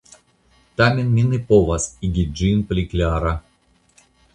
Tamen mi ne povas igi ĝin pli klara.